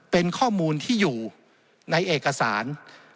เป็นข้อมูลที่อยู่ในเอกสาร